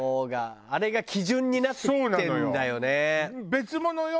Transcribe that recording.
別物よ？